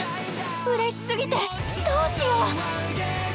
うれしすぎてどうしよう！？